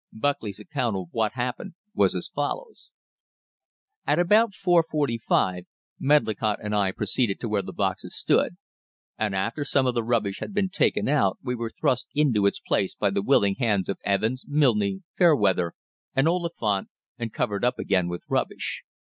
Buckley's account of what happened was as follows: "At about 4.45 Medlicott and I proceeded to where the boxes stood, and after some of the rubbish had been taken out we were thrust into its place by the willing hands of Evans, Milne, Fairweather, and Oliphant, and covered up again with rubbish.